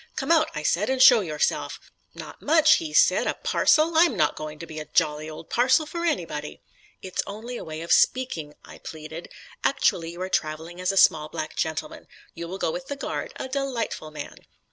"Come out," I said, "and show yourself." "Not much," he said. "A parcel! I'm not going to be a jolly old parcel for anybody." "It's only a way of speaking," I pleaded. "Actually you are travelling as a small black gentleman. You will go with the guard a delightful man."